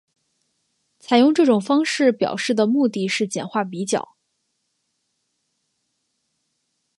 采用这种方式表示的目的是简化比较。